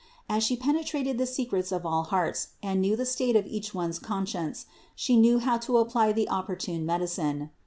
As She penetrated the secrets of all hearts and knew the state of each one's conscience, She knew how to apply the opportune medicine.